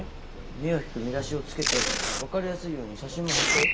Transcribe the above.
目を引く見出しを付けて分かりやすいように写真も貼ったよ。